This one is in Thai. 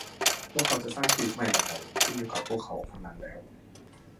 พวกเขาจะสร้างชีวิตใหม่อย่างไร ขึ้นอยู่กับ พวกเขาคนนั้นแล้ว